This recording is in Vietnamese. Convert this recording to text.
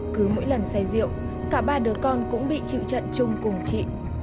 cứ mỗi lần say rượu cả ba đứa con cũng bị chịu trận chung cùng chị